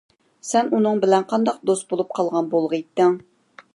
سەن ئۇنىڭ بىلەن قانداق دوست بولۇپ قالغان بولغىيتتىڭ!